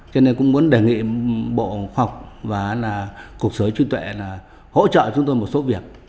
cho nên cũng muốn đề nghị bộ học và cục sở hữu trí tuệ hỗ trợ chúng tôi một số việc